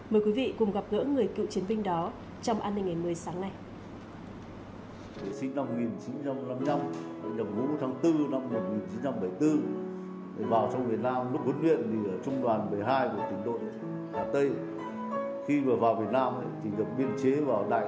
mời quý vị cùng gặp gỡ người cựu chiến binh đó trong an ninh ngày một mươi sáng nay